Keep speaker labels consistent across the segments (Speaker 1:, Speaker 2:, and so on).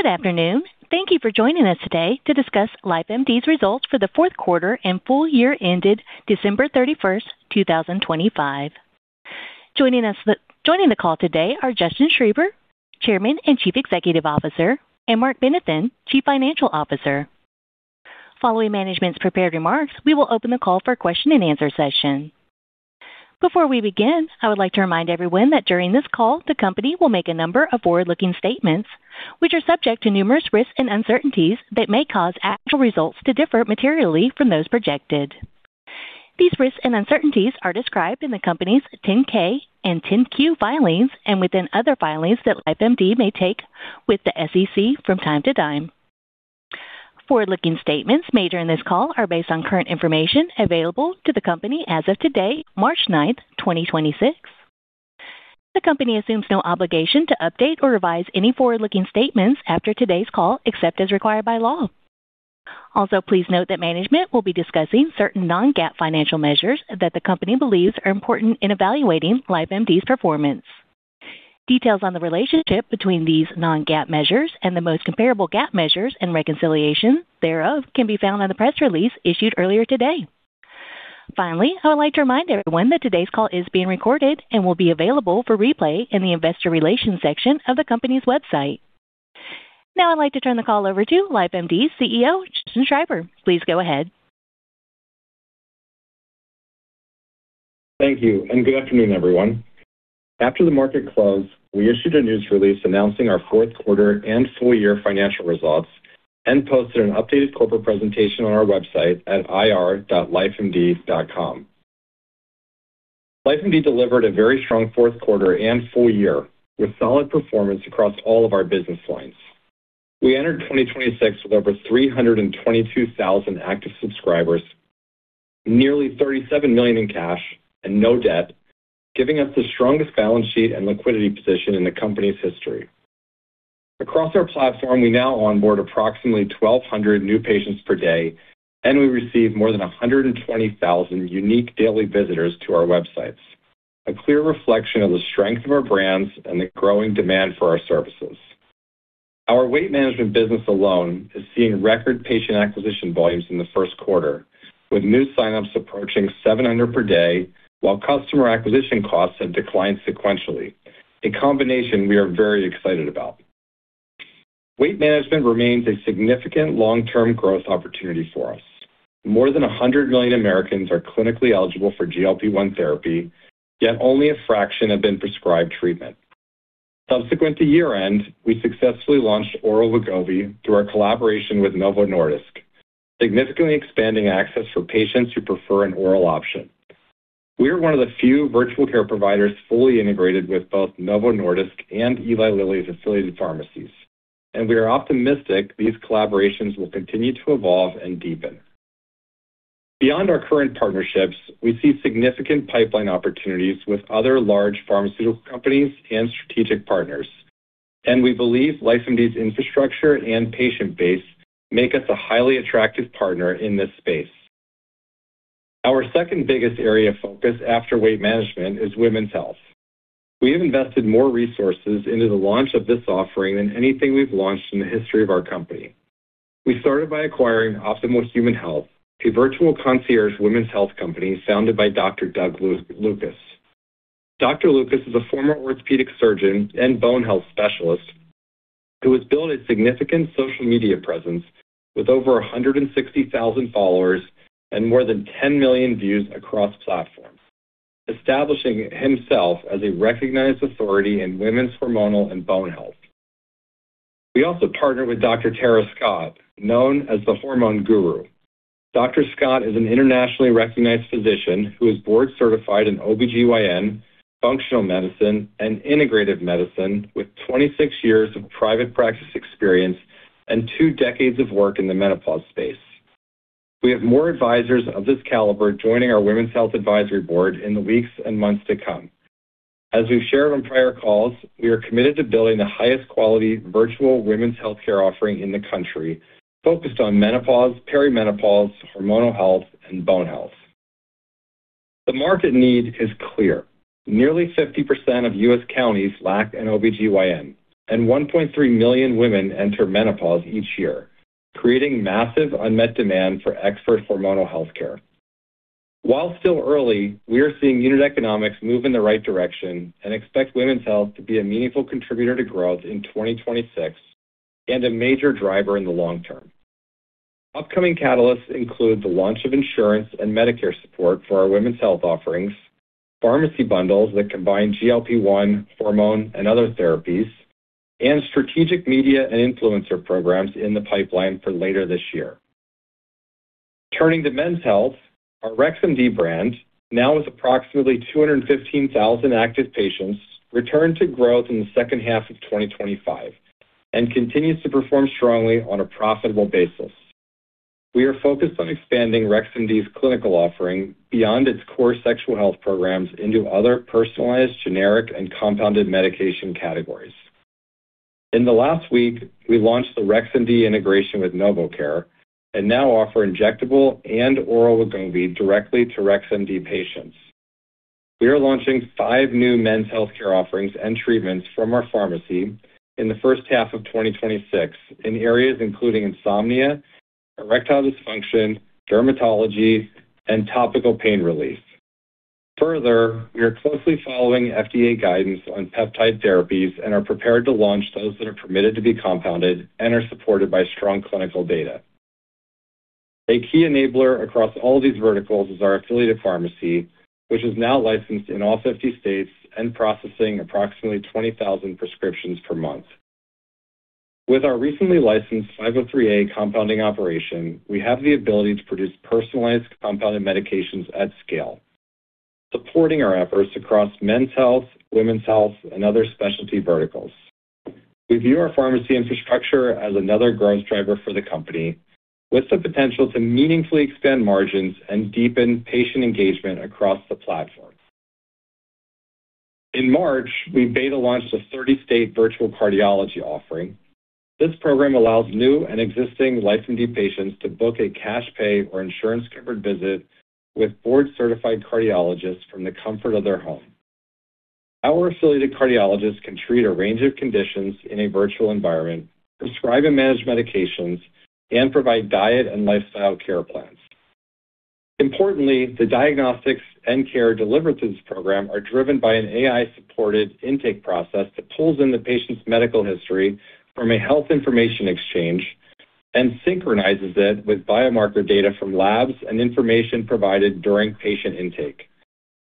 Speaker 1: Good afternoon. Thank you for joining us today to discuss LifeMD's results for the fourth quarter and full year ended December 31st, 2025. Joining the call today are Justin Schreiber, Chairman and Chief Executive Officer, and Marc Benathen, Chief Financial Officer. Following management's prepared remarks, we will open the call for a question-and-answer session. Before we begin, I would like to remind everyone that during this call, the company will make a number of forward-looking statements, which are subject to numerous risks and uncertainties that may cause actual results to differ materially from those projected. These risks and uncertainties are described in the Company's 10-K and 10-Q filings and within other filings that LifeMD may take with the SEC from time to time. Forward-looking statements made during this call are based on current information available to the company as of today, March 9, 2026. The company assumes no obligation to update or revise any forward-looking statements after today's call, except as required by law. Please note that management will be discussing certain non-GAAP financial measures that the company believes are important in evaluating LifeMD's performance. Details on the relationship between these non-GAAP measures and the most comparable GAAP measures and reconciliation thereof can be found on the press release issued earlier today. I would like to remind everyone that today's call is being recorded and will be available for replay in the investor relations section of the company's website. I'd like to turn the call over to LifeMD's CEO, Justin Schreiber. Please go ahead.
Speaker 2: Thank you, good afternoon, everyone. After the market closed, we issued a news release announcing our fourth quarter and full year financial results and posted an updated corporate presentation on our website at ir.lifemd.com. LifeMD delivered a very strong fourth quarter and full year, with solid performance across all of our business lines. We entered 2026 with over 322,000 active subscribers, nearly $37 million in cash, and no debt, giving us the strongest balance sheet and liquidity position in the company's history. Across our platform, we now onboard approximately 1,200 new patients per day, and we receive more than 120,000 unique daily visitors to our websites, a clear reflection of the strength of our brands and the growing demand for our services. Our weight management business alone is seeing record patient acquisition volumes in the first quarter, with new signups approaching 700 per day while customer acquisition costs have declined sequentially. A combination we are very excited about. Weight management remains a significant long-term growth opportunity for us. More than 100 million Americans are clinically eligible for GLP-1 therapy, yet only a fraction have been prescribed treatment. Subsequent to year-end, we successfully launched oral Wegovy through our collaboration with Novo Nordisk, significantly expanding access for patients who prefer an oral option. We are one of the few virtual care providers fully integrated with both Novo Nordisk and Eli Lilly's affiliated pharmacies, and we are optimistic these collaborations will continue to evolve and deepen. Beyond our current partnerships, we see significant pipeline opportunities with other large pharmaceutical companies and strategic partners, we believe LifeMD's infrastructure and patient base make us a highly attractive partner in this space. Our second biggest area of focus after weight management is women's health. We have invested more resources into the launch of this offering than anything we've launched in the history of our company. We started by acquiring Optimal Human Health, a virtual concierge women's health company founded by Dr. Doug Lucas. Dr. Lucas is a former orthopedic surgeon and bone health specialist who has built a significant social media presence with over 160,000 followers and more than 10 million views across platforms, establishing himself as a recognized authority in women's hormonal and bone health. We also partnered with Dr. Tara Scott, known as the Hormone Guru. Dr.Scott is an internationally recognized physician who is board certified in OBGYN, functional medicine, and integrative medicine with 26 years of private practice experience and two decades of work in the menopause space. We have more advisors of this caliber joining our women's health advisory board in the weeks and months to come. As we've shared on prior calls, we are committed to building the highest quality virtual women's healthcare offering in the country focused on menopause, perimenopause, hormonal health, and bone health. The market need is clear. Nearly 50% of U.S. counties lack an OBGYN, and 1.3 million women enter menopause each year, creating massive unmet demand for expert hormonal healthcare. While still early, we are seeing unit economics move in the right direction and expect women's health to be a meaningful contributor to growth in 2026 and a major driver in the long term. Upcoming catalysts include the launch of insurance and Medicare support for our women's health offerings, pharmacy bundles that combine GLP-1, hormone, and other therapies, and strategic media and influencer programs in the pipeline for later this year. Turning to men's health, our Rex MD brand, now with approximately 215,000 active patients, returned to growth in the second half of 2025 and continues to perform strongly on a profitable basis. We are focused on expanding Rex MD's clinical offering beyond its core sexual health programs into other personalized generic and compounded medication categories. In the last week, we launched the Rex MD integration with NovoCare and now offer injectable and oral Wegovy directly to Rex MD patients. We are launching five new men's healthcare offerings and treatments from our pharmacy in the first half of 2026 in areas including insomnia, erectile dysfunction, dermatology, and topical pain relief. We are closely following FDA guidance on peptide therapies and are prepared to launch those that are permitted to be compounded and are supported by strong clinical data. A key enabler across all these verticals is our affiliated pharmacy, which is now licensed in all 50 states and processing approximately 20,000 prescriptions per month. With our recently licensed 503A compounding operation, we have the ability to produce personalized compounded medications at scale, supporting our efforts across men's health, women's health, and other specialty verticals. We view our pharmacy infrastructure as another growth driver for the company with the potential to meaningfully expand margins and deepen patient engagement across the platform. In March, we beta launched a 30-state virtual cardiology offering. This program allows new and existing LifeMD patients to book a cash pay or insurance-covered visit with board-certified cardiologists from the comfort of their home. Our affiliated cardiologists can treat a range of conditions in a virtual environment, prescribe and manage medications, and provide diet and lifestyle care plans. Importantly, the diagnostics and care delivered to this program are driven by an AI-supported intake process that pulls in the patient's medical history from a Health Information Exchange and synchronizes it with biomarker data from labs and information provided during patient intake.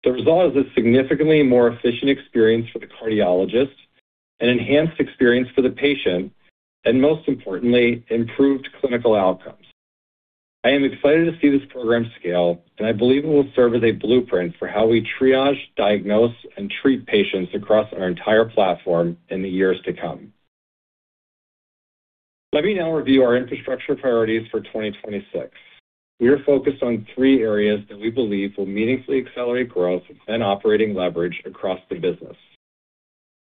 Speaker 2: The result is a significantly more efficient experience for the cardiologist, an enhanced experience for the patient, and most importantly, improved clinical outcomes. I am excited to see this program scale, I believe it will serve as a blueprint for how we triage, diagnose, and treat patients across our entire platform in the years to come. Let me now review our infrastructure priorities for 2026. We are focused on three areas that we believe will meaningfully accelerate growth and operating leverage across the business.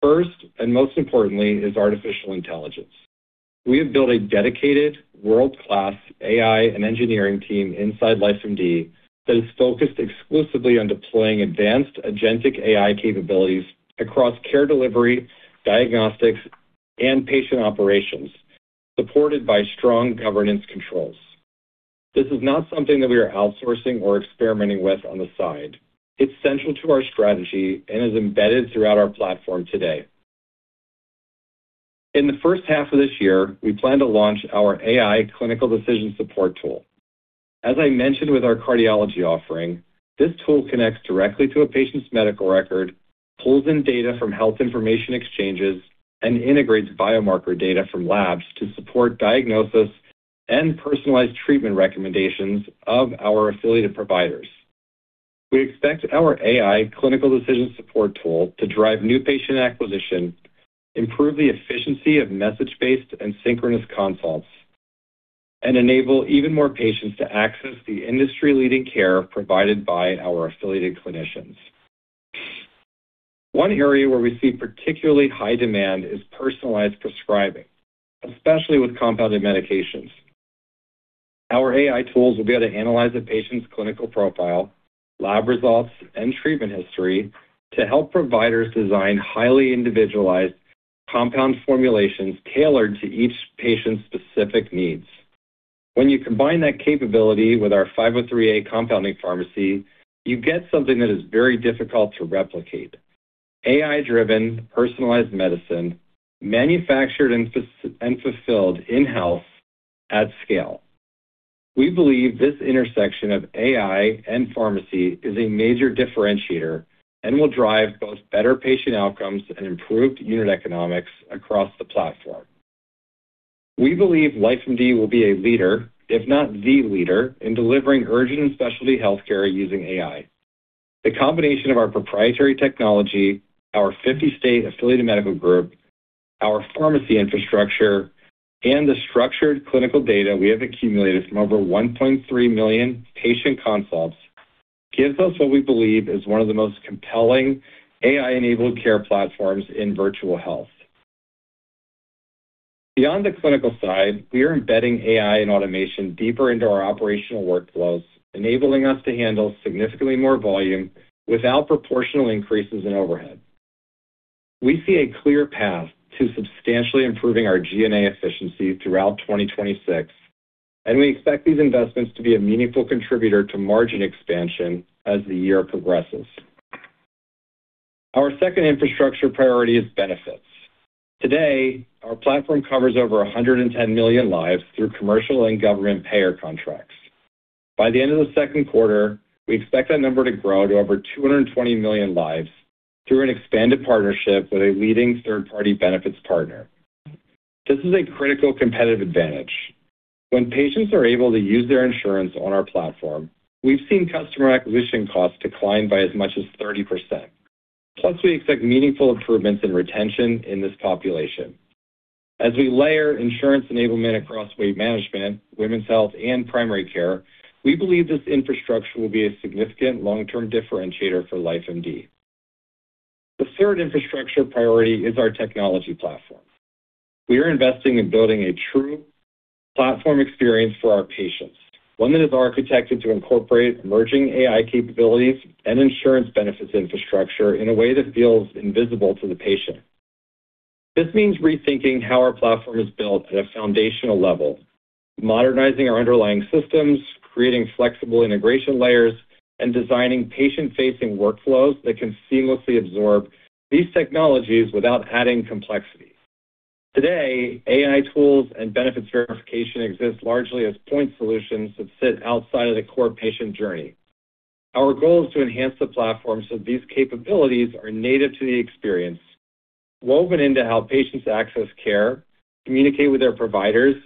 Speaker 2: First, Most importantly, is artificial intelligence. We have built a dedicated world-class AI and engineering team inside LifeMD that is focused exclusively on deploying advanced Agentic AI capabilities across care delivery, diagnostics, and patient operations, supported by strong governance controls. This is not something that we are outsourcing or experimenting with on the side. It's central to our strategy and is embedded throughout our platform today. In the first half of this year, we plan to launch our AI clinical decision support tool. As I mentioned with our cardiology offering, this tool connects directly to a patient's medical record, pulls in data from health information exchanges, and integrates biomarker data from labs to support diagnosis and personalized treatment recommendations of our affiliated providers. We expect our AI clinical decision support tool to drive new patient acquisition, improve the efficiency of message-based and synchronous consults, and enable even more patients to access the industry-leading care provided by our affiliated clinicians. One area where we see particularly high demand is personalized prescribing, especially with compounded medications. Our AI tools will be able to analyze a patient's clinical profile, lab results, and treatment history to help providers design highly individualized compound formulations tailored to each patient's specific needs. When you combine that capability with our 503A compounding pharmacy, you get something that is very difficult to replicate. AI-driven, personalized medicine manufactured and fulfilled in-house at scale. We believe this intersection of AI and pharmacy is a major differentiator and will drive both better patient outcomes and improved unit economics across the platform. We believe LifeMD will be a leader, if not the leader, in delivering urgent and specialty healthcare using AI. The combination of our proprietary technology, our 50-state affiliated medical group, our pharmacy infrastructure, and the structured clinical data we have accumulated from over 1.3 million patient consults gives us what we believe is one of the most compelling AI-enabled care platforms in virtual health. Beyond the clinical side, we are embedding AI and automation deeper into our operational workflows, enabling us to handle significantly more volume without proportional increases in overhead. We see a clear path to substantially improving our G&A efficiency throughout 2026, and we expect these investments to be a meaningful contributor to margin expansion as the year progresses. Our second infrastructure priority is benefits. Today, our platform covers over 110 million lives through commercial and government payer contracts. By the end of the second quarter, we expect that number to grow to over 220 million lives through an expanded partnership with a leading third-party benefits partner. This is a critical competitive advantage. When patients are able to use their insurance on our platform, we've seen customer acquisition costs decline by as much as 30%. We expect meaningful improvements in retention in this population. As we layer insurance enablement across weight management, women's health, and primary care, we believe this infrastructure will be a significant long-term differentiator for LifeMD. The third infrastructure priority is our technology platform. We are investing in building a true platform experience for our patients, one that is architected to incorporate emerging AI capabilities and insurance benefits infrastructure in a way that feels invisible to the patient. This means rethinking how our platform is built at a foundational level, modernizing our underlying systems, creating flexible integration layers, and designing patient-facing workflows that can seamlessly absorb these technologies without adding complexity. Today, AI tools and benefits verification exist largely as point solutions that sit outside of the core patient journey. Our goal is to enhance the platform so these capabilities are native to the experience, woven into how patients access care, communicate with their providers,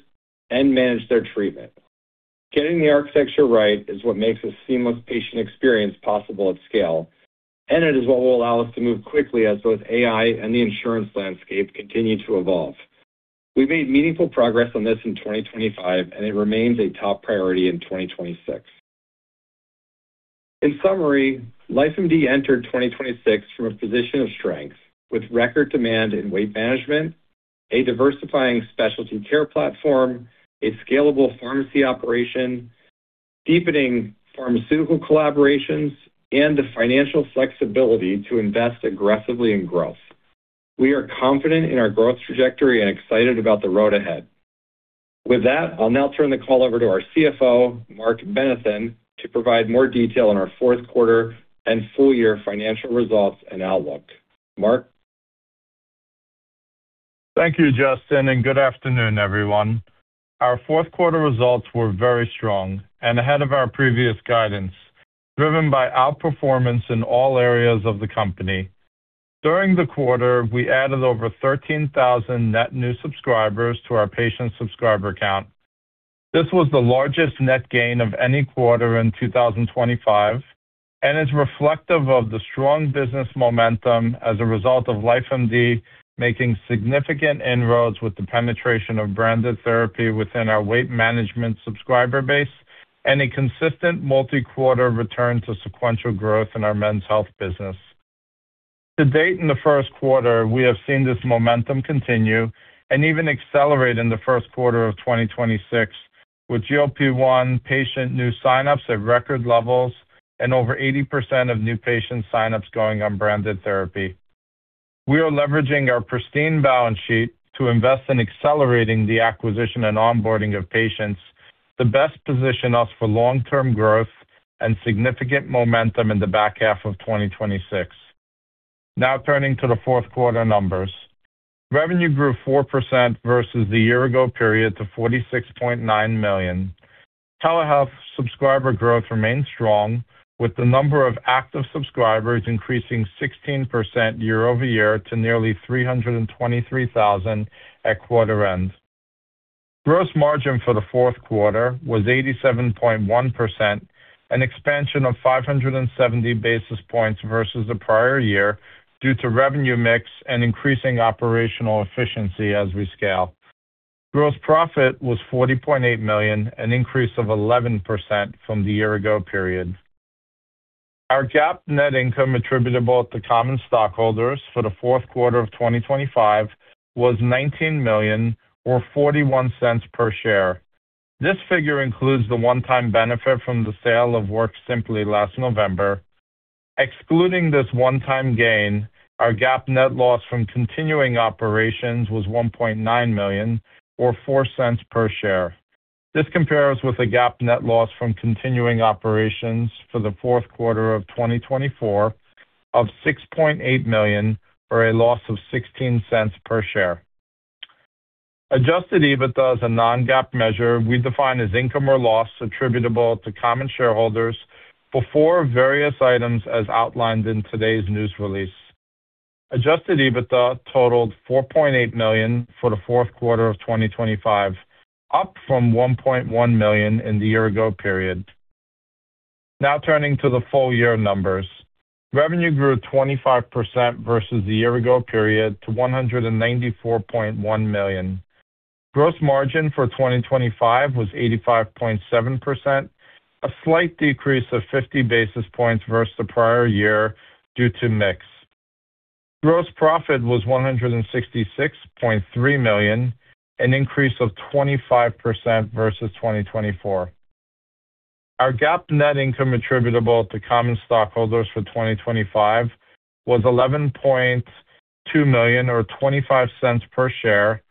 Speaker 2: and manage their treatment. Getting the architecture right is what makes a seamless patient experience possible at scale, and it is what will allow us to move quickly as both AI and the insurance landscape continue to evolve. We've made meaningful progress on this in 2025, and it remains a top priority in 2026. In summary, LifeMD entered 2026 from a position of strength with record demand in weight management, a diversifying specialty care platform, a scalable pharmacy operation, deepening pharmaceutical collaborations, and the financial flexibility to invest aggressively in growth. We are confident in our growth trajectory and excited about the road ahead. With that, I'll now turn the call over to our CFO, Marc Benathen, to provide more detail on our fourth quarter and full-year financial results and outlook. Marc.
Speaker 3: Thank you, Justin. Good afternoon, everyone. Our fourth quarter results were very strong and ahead of our previous guidance, driven by outperformance in all areas of the company. During the quarter, we added over 13,000 net new subscribers to our patient subscriber count. This was the largest net gain of any quarter in 2025 and is reflective of the strong business momentum as a result of LifeMD making significant inroads with the penetration of branded therapy within our weight management subscriber base and a consistent multi-quarter return to sequential growth in our men's health business. To date in the first quarter, we have seen this momentum continue and even accelerate in the first quarter of 2026, with GLP-1 patient new sign-ups at record levels and over 80% of new patient sign-ups going on branded therapy. We are leveraging our pristine balance sheet to invest in accelerating the acquisition and onboarding of patients to best position us for long-term growth and significant momentum in the back half of 2026. Turning to the fourth quarter numbers. Revenue grew 4% versus the year ago period to $46.9 million. Telehealth subscriber growth remained strong, with the number of active subscribers increasing 16% year-over-year to nearly 323,000 at quarter end. Gross margin for the fourth quarter was 87.1%, an expansion of 570 basis points versus the prior year due to revenue mix and increasing operational efficiency as we scale. Gross profit was $40.8 million, an increase of 11% from the year ago period. Our GAAP net income attributable to common stockholders for the fourth quarter of 2025 was $19 million or $0.41 per share. This figure includes the one-time benefit from the sale of WorkSimpli last November. Excluding this one-time gain, our GAAP net loss from continuing operations was $1.9 million or $0.04 per share. This compares with a GAAP net loss from continuing operations for the fourth quarter of 2024 of $6.8 million or a loss of $0.16 per share. Adjusted EBITDA is a non-GAAP measure we define as income or loss attributable to common shareholders before various items as outlined in today's news release. Adjusted EBITDA totaled $4.8 million for the fourth quarter of 2025, up from $1.1 million in the year ago period. Turning to the full year numbers. Revenue grew 25% versus the year ago period to $194.1 million. Gross margin for 2025 was 85.7%, a slight decrease of 50 basis points versus the prior year due to mix. Gross profit was $166.3 million, an increase of 25% versus 2024. Our GAAP net income attributable to common stockholders for 2025 was $11.2 million or $0.25 per share.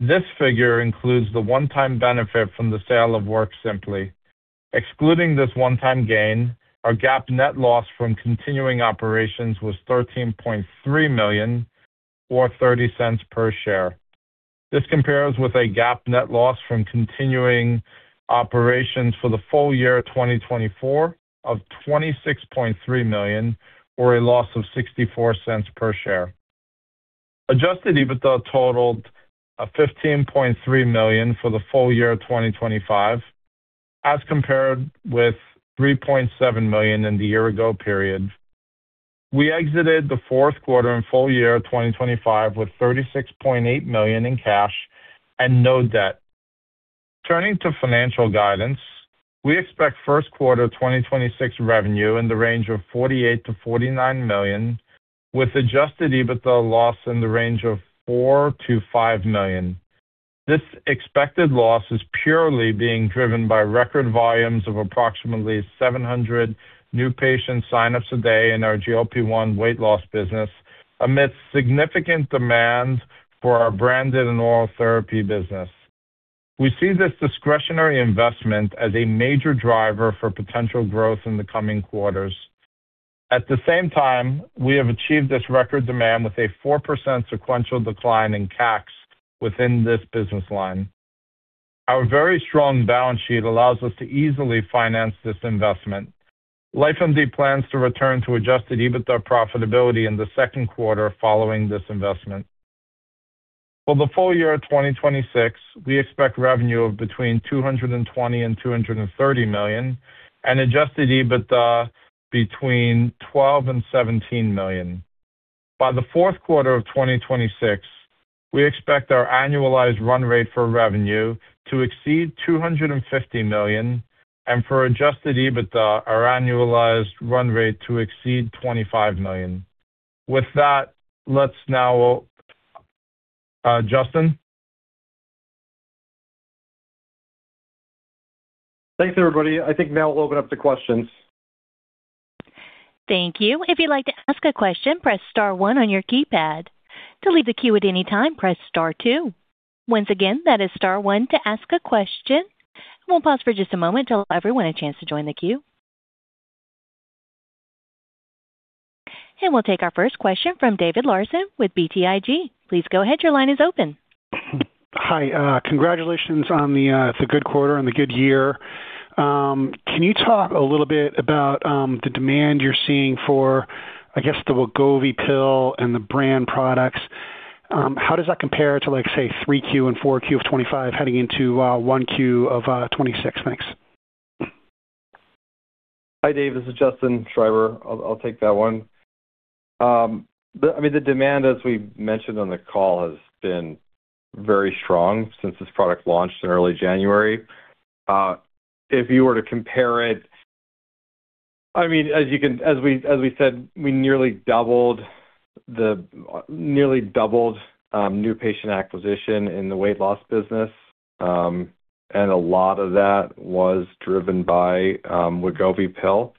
Speaker 3: This figure includes the one-time benefit from the sale of WorkSimpli. Excluding this one-time gain, our GAAP net loss from continuing operations was $13.3 million or $0.30 per share. This compares with a GAAP net loss from continuing operations for the full year 2024 of $26.3 million or a loss of $0.64 per share. Adjusted EBITDA totaled $15.3 million for the full year 2025, as compared with $3.7 million in the year-ago period. We exited the fourth quarter and full year 2025 with $36.8 million in cash and no debt. Turning to financial guidance. We expect first quarter 2026 revenue in the range of $48 million-$49 million, with Adjusted EBITDA loss in the range of $4 million-$5 million. This expected loss is purely being driven by record volumes of approximately 700 new patient sign-ups a day in our GLP-1 weight loss business, amidst significant demand for our branded and oral therapy business. We see this discretionary investment as a major driver for potential growth in the coming quarters. At the same time, we have achieved this record demand with a 4% sequential decline in CACs within this business line. Our very strong balance sheet allows us to easily finance this investment. LifeMD plans to return to Adjusted EBITDA profitability in the second quarter following this investment. For the full year of 2026, we expect revenue of between $220 million-$230 million and Adjusted EBITDA between $12 million-$17 million. By the fourth quarter of 2026, we expect our annualized run rate for revenue to exceed $250 million and for Adjusted EBITDA, our annualized run rate to exceed $25 million. With that, Justin.
Speaker 2: Thanks, everybody. I think now we'll open up to questions.
Speaker 1: Thank you. If you'd like to ask a question, press star one on your keypad. To leave the queue at any time, press star two. Once again, that is star one to ask a question. We'll pause for just a moment to allow everyone a chance to join the queue. We'll take our first question from David Larsen with BTIG. Please go ahead. Your line is open.
Speaker 4: Hi. Congratulations on the good quarter and the good year. Can you talk a little bit about the demand you're seeing for, I guess, the Wegovy pill and the brand products? How does that compare to like, say, 3Q and 4Q of 2025 heading into 1Q of 2026? Thanks.
Speaker 2: Hi, David. This is Justin Schreiber. I'll take that one. I mean, the demand, as we mentioned on the call, has been very strong since this product launched in early January. If you were to compare it, I mean, as we said, we nearly doubled new patient acquisition in the weight loss business. A lot of that was driven by Wegovy pill.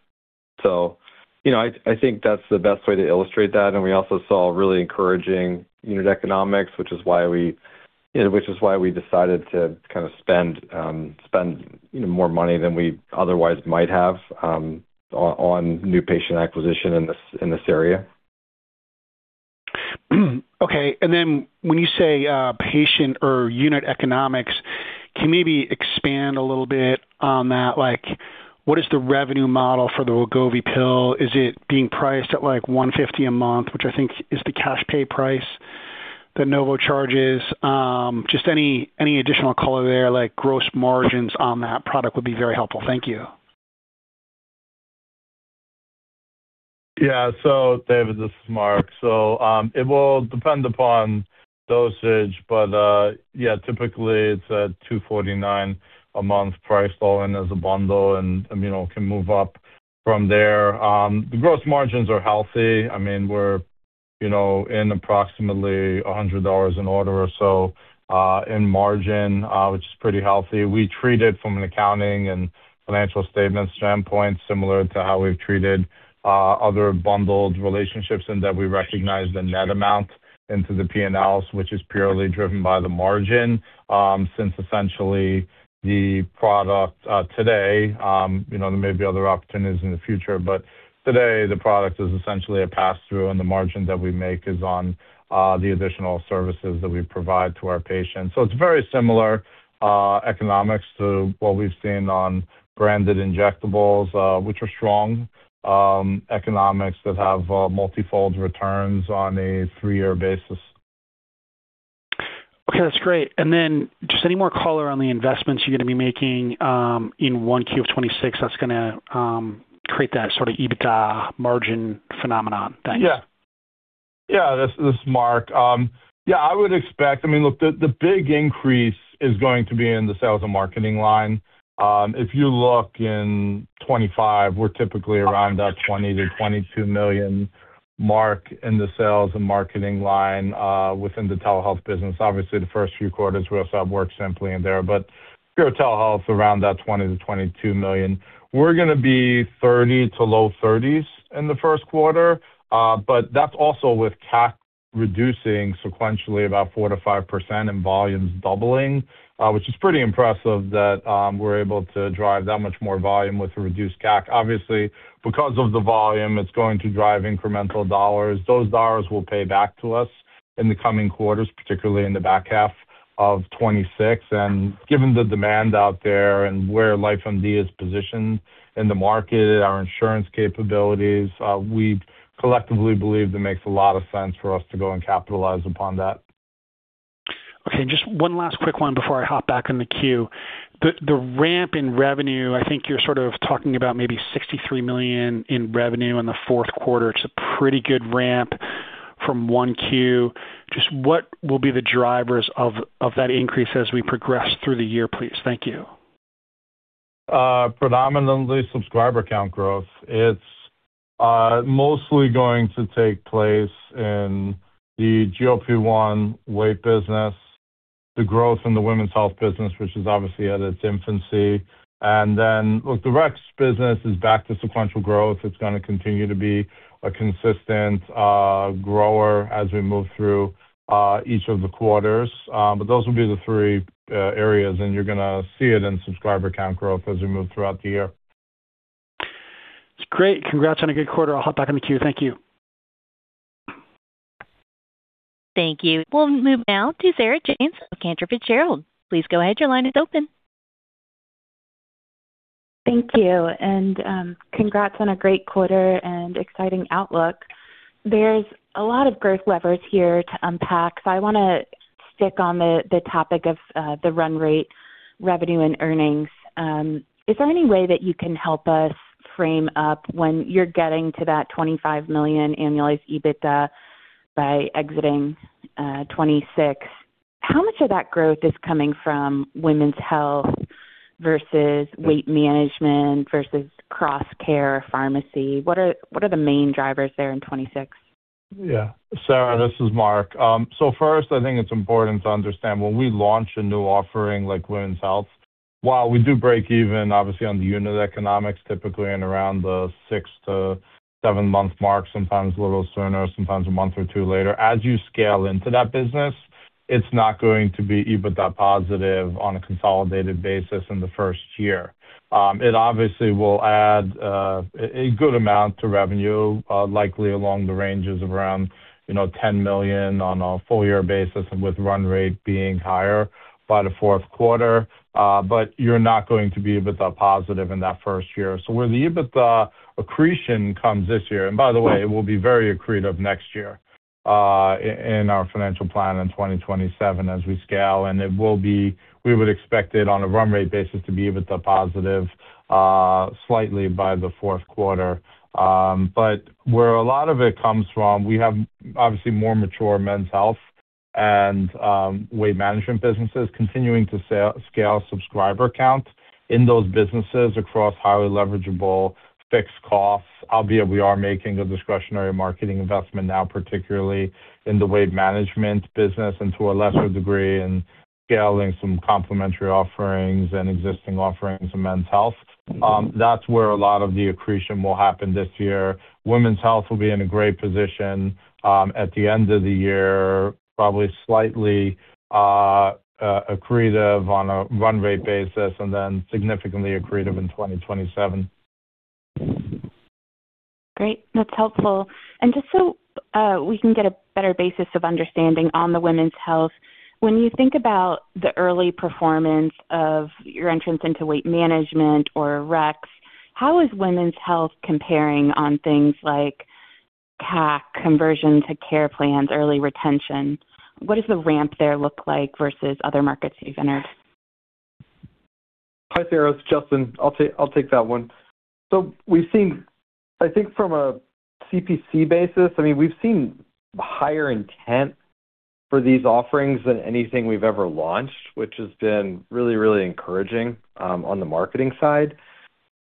Speaker 2: you know, I think that's the best way to illustrate that. We also saw really encouraging unit economics, which is why we, you know, which is why we decided to kind of spend more money than we otherwise might have on new patient acquisition in this area.
Speaker 4: Okay. When you say patient or unit economics, can you maybe expand a little bit on that? Like, what is the revenue model for the Wegovy pill? Is it being priced at, like, $150 a month, which I think is the cash pay price that Novo charges? Just any additional color there, like gross margins on that product would be very helpful. Thank you.
Speaker 3: Yeah. David, this is Marc. It will depend upon dosage, but, yeah, typically it's a $249 a month price all in as a bundle and, you know, can move up from there. The gross margins are healthy. I mean, we're, you know, in approximately a $100 an order or so, in margin, which is pretty healthy. We treat it from an accounting and financial statement standpoint, similar to how we've treated other bundled relationships in that we recognize the net amount into the P&L, which is purely driven by the margin, since essentially the product today, you know, there may be other opportunities in the future, but today the product is essentially a pass-through, and the margin that we make is on the additional services that we provide to our patients. It's very similar economics to what we've seen on branded injectables, which are strong economics that have multifold returns on a 3-year basis.
Speaker 4: Okay, that's great. Just any more color on the investments you're going to be making in 1Q of 2026 that's gonna create that sort of EBITDA margin phenomenon. Thanks.
Speaker 3: Yeah. Yeah. This is Marc. I mean, look, the big increase is going to be in the sales and marketing line. If you look in 2025, we're typically around that $20 million-$22 million mark in the sales and marketing line within the telehealth business. Obviously, the first few quarters will have WorkSimpli in there, but pure telehealth around that $20 million-$22 million. We're gonna be $30 million to low $30 million in the first quarter, but that's also with CAC reducing sequentially about 4%-5% and volumes doubling, which is pretty impressive that we're able to drive that much more volume with a reduced CAC. Obviously, because of the volume, it's going to drive incremental dollars. Those dollars will pay back to us in the coming quarters, particularly in the back half of 2026. Given the demand out there and where LifeMD is positioned in the market, our insurance capabilities, we collectively believe it makes a lot of sense for us to go and capitalize upon that.
Speaker 4: Okay, just one last quick one before I hop back in the queue. The ramp in revenue, I think you're sort of talking about maybe $63 million in revenue in the fourth quarter. It's a pretty good ramp. From 1Q, just what will be the drivers of that increase as we progress through the year, please? Thank you.
Speaker 3: Predominantly subscriber count growth. It's mostly going to take place in the GLP-1 weight business, the growth in the women's health business, which is obviously at its infancy. Look, the Rex business is back to sequential growth. It's gonna continue to be a consistent grower as we move through each of the quarters. Those will be the three areas, and you're gonna see it in subscriber count growth as we move throughout the year.
Speaker 4: It's great. Congrats on a good quarter. I'll hop back in the queue. Thank you.
Speaker 1: Thank you. We'll move now to Sarah James of Cantor Fitzgerald. Please go ahead. Your line is open.
Speaker 5: Thank you. Congrats on a great quarter and exciting outlook. There's a lot of growth levers here to unpack. I wanna stick on the topic of the run rate revenue and earnings. Is there any way that you can help us frame up when you're getting to that $25 million annualized EBITDA by exiting 2026? How much of that growth is coming from women's health versus weight management versus cross-care pharmacy? What are the main drivers there in 2026?
Speaker 3: Yeah. Sarah, this is Marc. First, I think it's important to understand when we launch a new offering like women's health, while we do break even, obviously, on the unit economics, typically in around the six to seven-month mark, sometimes a little sooner, sometimes a month or two later. As you scale into that business, it's not going to be EBITDA positive on a consolidated basis in the first year. It obviously will add a good amount to revenue, likely along the ranges around, you know, $10 million on a full year basis and with run rate being higher by the fourth quarter. You're not going to be EBITDA positive in that first year. Where the EBITDA accretion comes this year, and by the way, it will be very accretive next year, in our financial plan in 2027 as we scale. We would expect it on a run rate basis to be EBITDA positive, slightly by the fourth quarter. Where a lot of it comes from, we have obviously more mature men's health and weight management businesses continuing to scale subscriber counts in those businesses across highly leverageable fixed costs. Albeit we are making a discretionary marketing investment now, particularly in the weight management business and to a lesser degree in scaling some complimentary offerings and existing offerings in men's health. That's where a lot of the accretion will happen this year. Women's health will be in a great position, at the end of the year, probably slightly accretive on a run rate basis and then significantly accretive in 2027.
Speaker 5: Great. That's helpful. Just so, we can get a better basis of understanding on the women's health, when you think about the early performance of your entrance into weight management or Rex, how is women's health comparing on things like CAC, conversion to care plans, early retention? What does the ramp there look like versus other markets you've entered?
Speaker 2: Hi, Sarah, it's Justin. I'll take that one. I think from a CPC basis, I mean, we've seen higher intent for these offerings than anything we've ever launched, which has been really, really encouraging on the marketing side.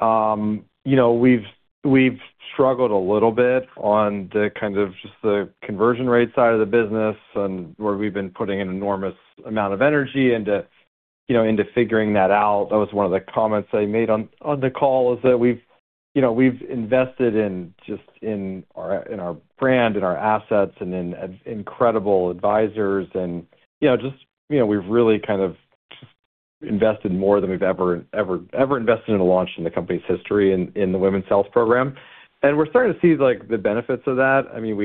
Speaker 2: You know, we've struggled a little bit on the kind of just the conversion rate side of the business and where we've been putting an enormous amount of energy into, you know, into figuring that out. That was one of the comments I made on the call is that we've, you know, we've invested in our brand and our assets and in incredible advisors and, you know, just, you know, we've really kind of invested more than we've ever invested in a launch in the company's history in the women's health program. We're starting to see, like, the benefits of that. I mean,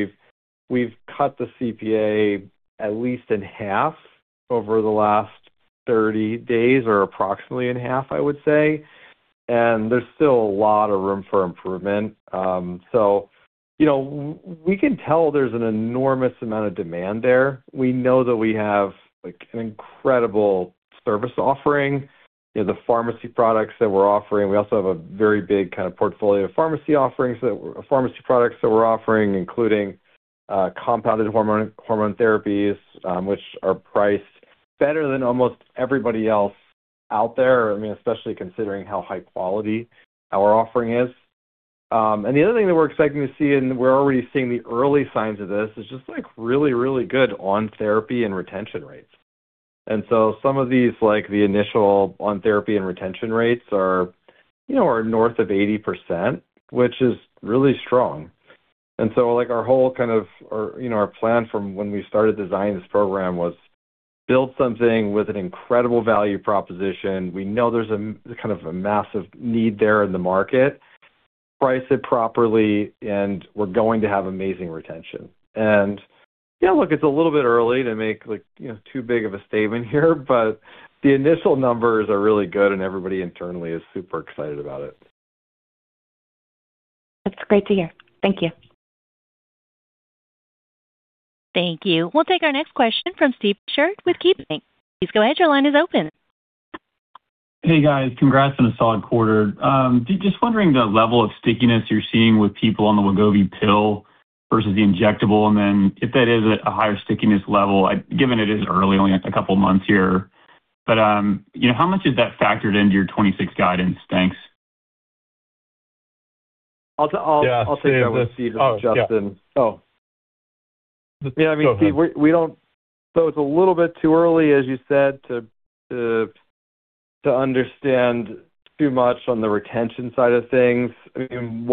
Speaker 2: we've cut the CPA at least in half over the last 30 days or approximately in 1/2, I would say. There's still a lot of room for improvement. You know, we can tell there's an enormous amount of demand there. We know that we have, like, an incredible service offering in the pharmacy products that we're offering. We also have a very big kind of portfolio of pharmacy products that we're offering, including compounded hormone therapies, which are priced better than almost everybody else out there. I mean, especially considering how high quality our offering is. The other thing that we're expecting to see, and we're already seeing the early signs of this, is just, like, really, really good on therapy and retention rates. Some of these, like, the initial on therapy and retention rates are, you know, are north of 80%, which is really strong. Like, our whole, you know, our plan from when we started designing this program was build something with an incredible value proposition. We know there's a kind of a massive need there in the market. Price it properly, and we're going to have amazing retention. Yeah, look, it's a little bit early to make, like, you know, too big of a statement here, but the initial numbers are really good, and everybody internally is super excited about it.
Speaker 5: That's great to hear. Thank you.
Speaker 1: Thank you. We'll take our next question from Steve Dechert with KeyBanc. Please go ahead. Your line is open.
Speaker 6: Hey guys, congrats on a solid quarter. Just wondering the level of stickiness you're seeing with people on the Wegovy pill versus the injectable, and then if that is at a higher stickiness level, given it is early, only it's a couple months here. You know, how much is that factored into your 26 guidance? Thanks.
Speaker 7: I'll take that one, Steve or Justin.
Speaker 2: Oh, yeah.
Speaker 7: Oh.
Speaker 2: I mean, Steve, we don't. It's a little bit too early, as you said, to understand too much on the retention side of things. I mean,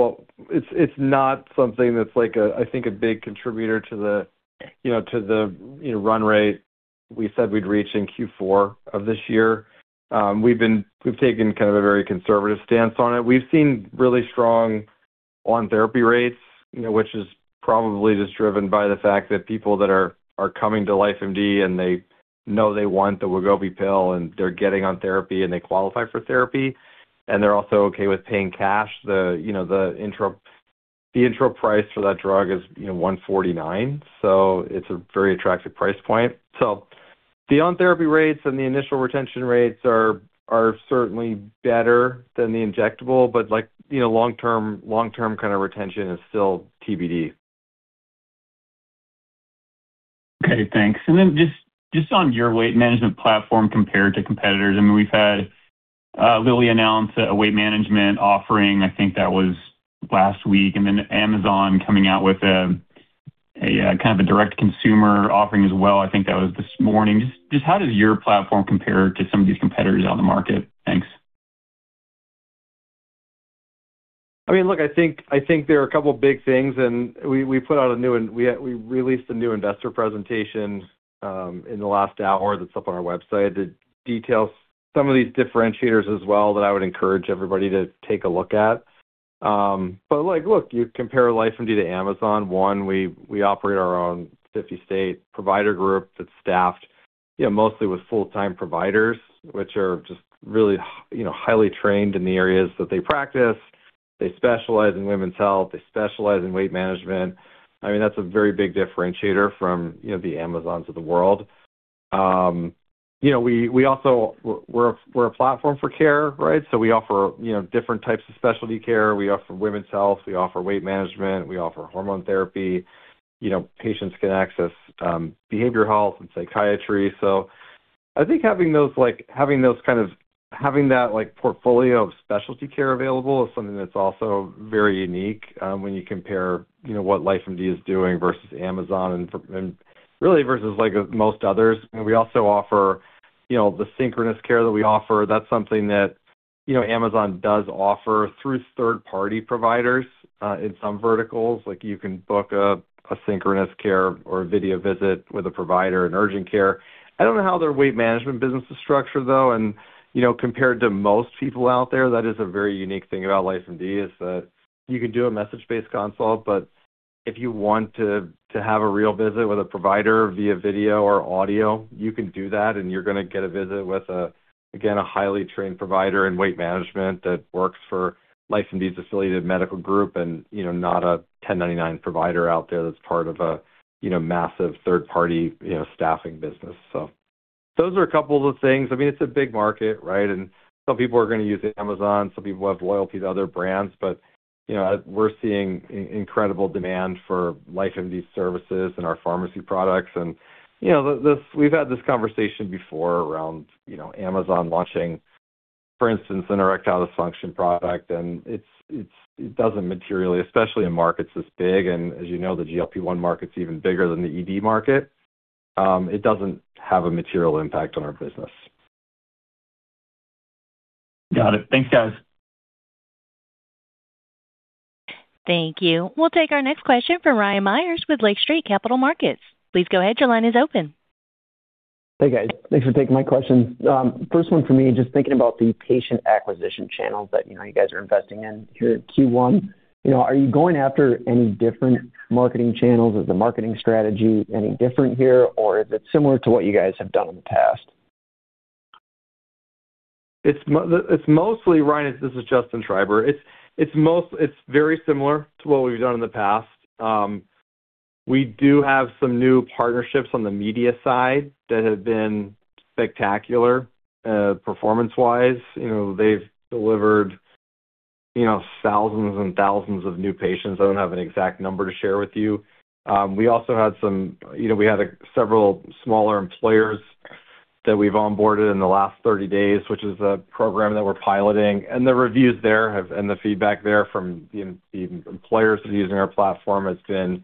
Speaker 2: It's not something that's like a, I think a big contributor to the, you know, to the, you know, run rate we said we'd reach in Q4 of this year. We've taken kind of a very conservative stance on it. We've seen really strong on-therapy rates, you know, which is probably just driven by the fact that people that are coming to LifeMD and they know they want the Wegovy pill, and they're getting on therapy, and they qualify for therapy, and they're also okay with paying cash. The, you know, the intro price for that drug is, you know, $149, so it's a very attractive price point. The on-therapy rates and the initial retention rates are certainly better than the injectable, but like, you know, long-term kind of retention is still TBD.
Speaker 6: Okay, thanks. Just on your weight management platform compared to competitors, we've had Lilly announce a weight management offering. I think that was last week. Amazon coming out with kind of a direct-to-consumer offering as well. I think that was this morning. Just how does your platform compare to some of these competitors out in the market? Thanks.
Speaker 2: I mean, look, I think there are a couple of big things we released a new investor presentation in the last hour that's up on our website that details some of these differentiators as well that I would encourage everybody to take a look at. Like, look, you compare LifeMD to Amazon. One, we operate our own 50-state provider group that's staffed, you know, mostly with full-time providers, which are just really, you know, highly trained in the areas that they practice. They specialize in women's health. They specialize in weight management. I mean, that's a very big differentiator from, you know, the Amazons of the world. You know, we also we're a platform for care, right? We offer, you know, different types of specialty care. We offer women's health. We offer weight management. We offer hormone therapy. You know, patients can access behavioral health and psychiatry. I think having those like, having that like portfolio of specialty care available is something that's also very unique, when you compare, you know, what LifeMD is doing versus Amazon and really versus like most others. We also offer, you know, the synchronous care that we offer. That's something that, you know, Amazon does offer through third-party providers, in some verticals. Like, you can book a synchronous care or a video visit with a provider in urgent care. I don't know how their weight management business is structured, though. You know, compared to most people out there, that is a very unique thing about LifeMD, is that you can do a message-based consult, but if you want to have a real visit with a provider via video or audio, you can do that, and you're gonna get a visit with again, a highly trained provider in weight management that works for LifeMD's affiliated medical group and, you know, not a 1099 provider out there that's part of a, you know, massive third party, you know, staffing business. Those are a couple of things. I mean, it's a big market, right? Some people are gonna use Amazon, some people have loyalty to other brands. You know, we're seeing incredible demand for LifeMD services and our pharmacy products. You know, we've had this conversation before around, you know, Amazon launching, for instance, an erectile dysfunction product. It's, it's, it doesn't materially, especially in markets this big, and as you know, the GLP-1 market's even bigger than the ED market, it doesn't have a material impact on our business.
Speaker 6: Got it. Thanks, guys.
Speaker 1: Thank you. We'll take our next question from Ryan Meyers with Lake Street Capital Markets. Please go ahead. Your line is open.
Speaker 7: Hey, guys. Thanks for taking my questions. First one for me, just thinking about the patient acquisition channels that, you know, you guys are investing in here at Q1. You know, are you going after any different marketing channels? Is the marketing strategy any different here, or is it similar to what you guys have done in the past?
Speaker 2: It's mostly, Ryan. This is Justin Schreiber. It's very similar to what we've done in the past. We do have some new partnerships on the media side that have been spectacular, performance-wise. You know, they've delivered, you know, thousands and thousands of new patients. I don't have an exact number to share with you. You know, we had several smaller employers that we've onboarded in the last 30 days, which is a program that we're piloting. The reviews there and the feedback there from the employers that are using our platform has been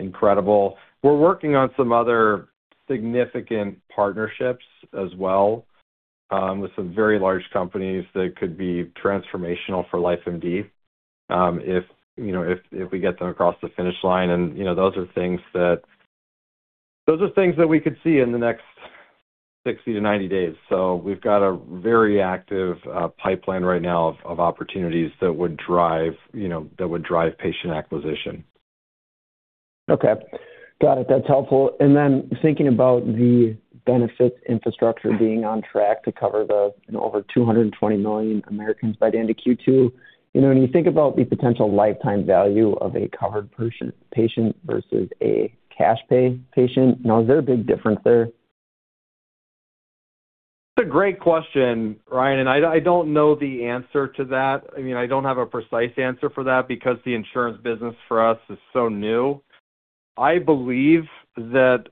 Speaker 2: incredible. We're working on some other significant partnerships as well, with some very large companies that could be transformational for LifeMD, if, you know, if we get them across the finish line. you know, those are things that we could see in the next 60 to 90 days. We've got a very active pipeline right now of opportunities that would drive, you know, that would drive patient acquisition.
Speaker 7: Okay. Got it. That's helpful. Thinking about the benefits infrastructure being on track to cover the over 220 million Americans by the end of Q2. You know, when you think about the potential lifetime value of a covered patient versus a cash pay patient, now is there a big difference there?
Speaker 2: That's a great question, Ryan, I don't know the answer to that. I mean, I don't have a precise answer for that because the insurance business for us is so new. I believe that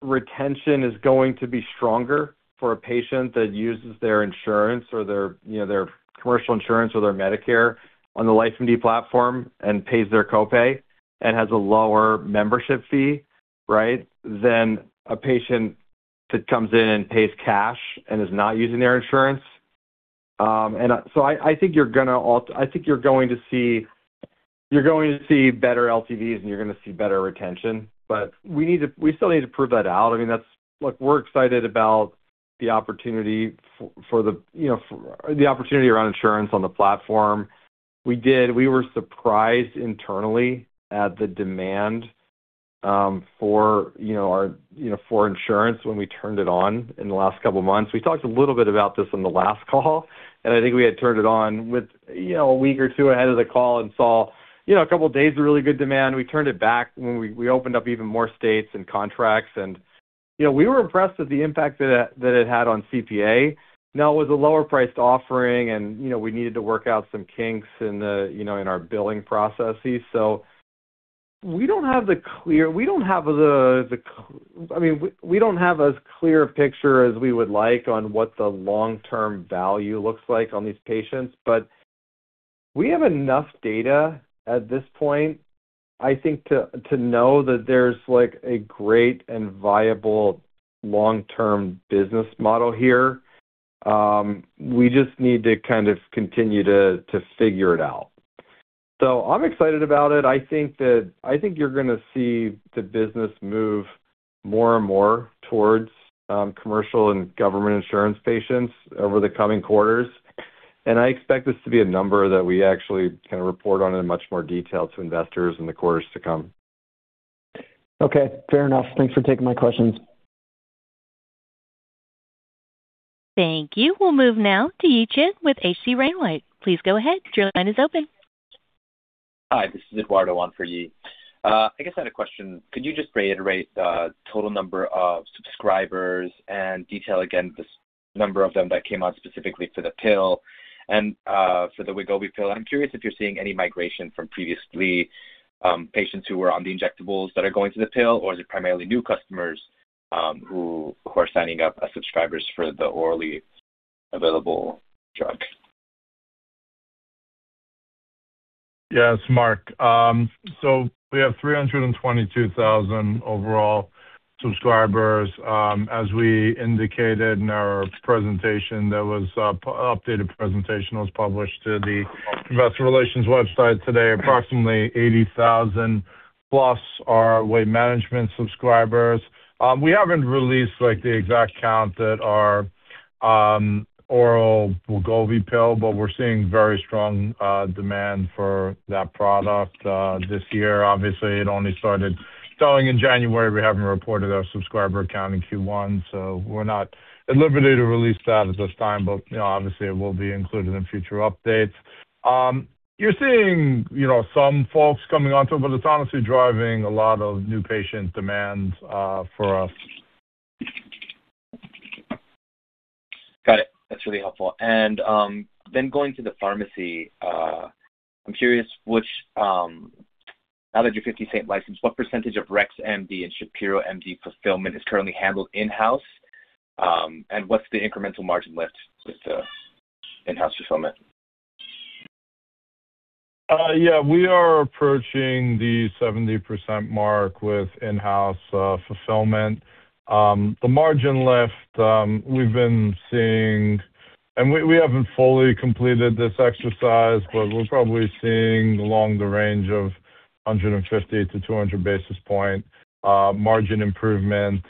Speaker 2: retention is going to be stronger for a patient that uses their insurance or their, you know, their commercial insurance or their Medicare on the LifeMD platform and pays their copay and has a lower membership fee, right? Than a patient that comes in and pays cash and is not using their insurance. I think you're going to see, you're going to see better LTVs and you're gonna see better retention. We still need to prove that out. I mean, that's Look, we're excited about the opportunity for the, you know, for the opportunity around insurance on the platform. We did. We were surprised internally at the demand for, you know, our, you know, for insurance when we turned it on in the last couple of months. We talked a little bit about this on the last call, and I think we had turned it on with, you know, a week or two ahead of the call and saw, you know, a couple of days of really good demand. We turned it back when we opened up even more states and contracts and, you know, we were impressed with the impact that it had on CPA. Now, it was a lower priced offering and, you know, we needed to work out some kinks in the, you know, in our billing processes. We don't have the clear, we don't have the... I mean, we don't have as clear a picture as we would like on what the long-term value looks like on these patients. We have enough data at this point, I think to know that there's like a great and viable long-term business model here. We just need to kind of continue to figure it out. I'm excited about it. I think that, I think you're gonna see the business move more and more towards commercial and government insurance patients over the coming quarters. I expect this to be a number that we actually can report on in much more detail to investors in the quarters to come.
Speaker 7: Okay, fair enough. Thanks for taking my questions.
Speaker 1: Thank you. We'll move now to Yi Chen with H.C. Wainwright. Please go ahead. Your line is open.
Speaker 8: Hi, this is Eduardo, one for Yi. I guess I had a question. Could you just reiterate the total number of subscribers and detail again the number of them that came out specifically for the pill and for the Wegovy pill. I'm curious if you're seeing any migration from previously, patients who were on the injectables that are going to the pill, or is it primarily new customers who are signing up as subscribers for the orally available drug?
Speaker 3: Yes. Marc. We have 322,000 overall subscribers. As we indicated in our presentation, there was a updated presentation was published to the investor relations website today. Approximately 80,000 plus are weight management subscribers. We haven't released like the exact count that are oral Wegovy pill, but we're seeing very strong demand for that product this year. Obviously, it only started selling in January. We haven't reported our subscriber count in Q1, we're not at liberty to release that at this time. You know, obviously it will be included in future updates. You're seeing, you know, some folks coming onto it, but it's honestly driving a lot of new patient demands for us.
Speaker 8: Got it. That's really helpful. Then going to the pharmacy, I'm curious which, now that your 50 state licensed, what % of Rex MD and Shapiro MD fulfillment is currently handled in-house? What's the incremental margin lift with, in-house fulfillment?
Speaker 3: Yeah, we are approaching the 70% mark with in-house fulfillment. The margin left, we've been seeing, and we haven't fully completed this exercise, but we're probably seeing along the range of 150-200 basis point margin improvement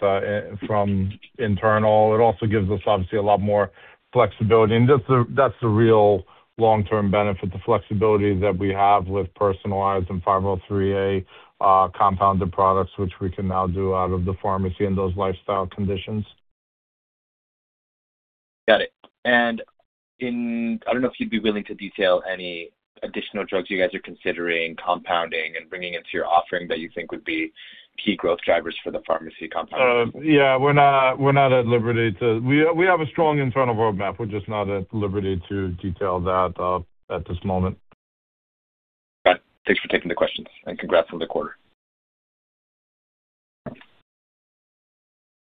Speaker 3: from internal. It also gives us obviously a lot more flexibility. That's the real long-term benefit, the flexibility that we have with personalized and 503A compounded products, which we can now do out of the pharmacy and those lifestyle conditions.
Speaker 8: Got it. I don't know if you'd be willing to detail any additional drugs you guys are considering compounding and bringing into your offering that you think would be key growth drivers for the pharmacy compounding?
Speaker 3: We have a strong internal roadmap. We're just not at liberty to detail that at this moment.
Speaker 8: Got it. Thanks for taking the questions, and congrats on the quarter.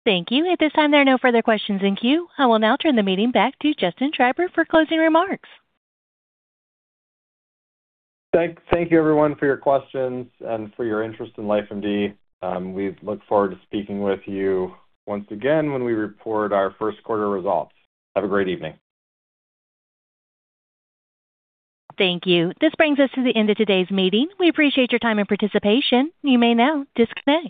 Speaker 1: Thank you. At this time, there are no further questions in queue. I will now turn the meeting back to Justin Schreiber for closing remarks.
Speaker 2: Thank you, everyone for your questions and for your interest in LifeMD. We look forward to speaking with you once again when we report our first quarter results. Have a great evening.
Speaker 1: Thank you. This brings us to the end of today's meeting. We appreciate your time and participation. You may now disconnect.